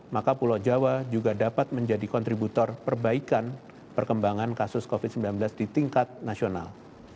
maka pulau jawa juga dapat menjadi kontributor perbaikan perkembangan kasus covid sembilan belas di tingkat nasional